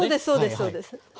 そうです